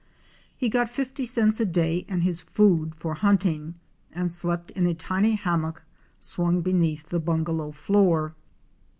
He got fifty cents a day and his food for hunting and slept in a tiny hammock swung beneath the bungalow floor.